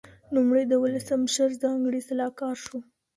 نوموړي د ولسمشر ځانګړی سلاکار شو.